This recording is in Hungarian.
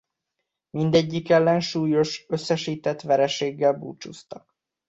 Mindegyik ellen súlyos összesített vereséggel búcsúztak.